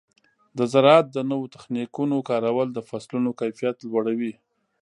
د زراعت د نوو تخنیکونو کارول د فصلونو کیفیت لوړوي.